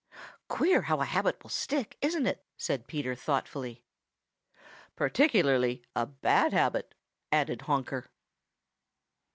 "Queer how a habit will stick, isn't it?" said Peter thoughtfully. "Particularly a bad habit," added Honker.